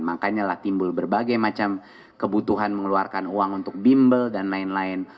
makanya lah timbul berbagai macam kebutuhan mengeluarkan uang untuk bimbel dan lain lain